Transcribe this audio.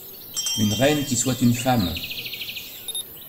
Une reine qui soit une femme.